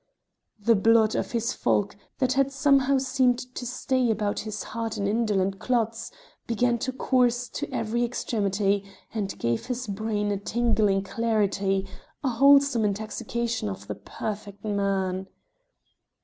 The blood of his folk, that had somehow seemed to stay about his heart in indolent clots, began to course to every extremity, and gave his brain a tingling clarity, a wholesome intoxication of the perfect man.